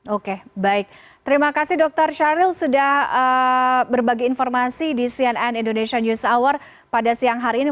oke baik terima kasih dokter syahril sudah berbagi informasi di cnn indonesia news hour pada siang hari ini